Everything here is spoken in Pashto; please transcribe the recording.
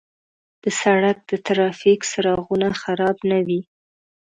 د سړک د ترافیک څراغونه خراب نه وي.